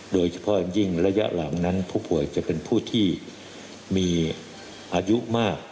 โดยเฉพาะยิ่งระยะหลังนั้นผู้ป่วยจะเป็นผู้ที่มีอายุมาก